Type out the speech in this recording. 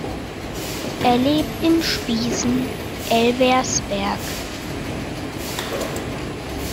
Er lebt in Spiesen-Elversberg.